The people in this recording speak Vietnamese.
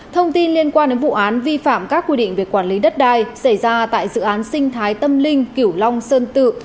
thông tin liên quan đến vụ án vi phạm các quy định về quản lý đất đai xảy ra tại dự án sinh thái tâm linh kiểu long sơn tự